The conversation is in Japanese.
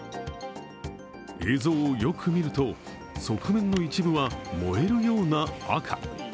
映像をよく見ると、側面の一部は燃えるような赤。